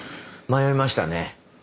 迷いましたね。